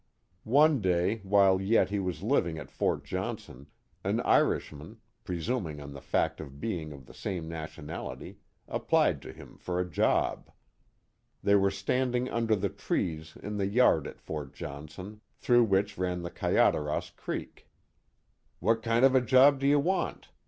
One day while yet he was living at Fort Johnson, an Irishman, presuming on the fact of being of the same nationality, applied to him for a job. They were stand ing under the trees in the yard at Fort Johnson, through which ran the Kayaderos Creek. What kind of a job do you want